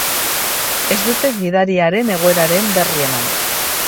Ez dute gidariaren egoeraren berri eman.